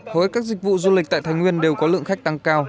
hối các dịch vụ du lịch tại thái nguyên đều có lượng khách tăng cao